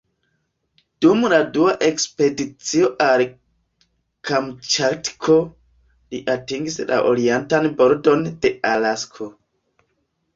Dum la dua ekspedicio al Kamĉatko, li atingis la orientan bordon de Alasko.